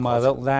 mà rộng ra